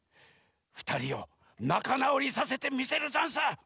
ふたりをなかなおりさせてみせるざんす！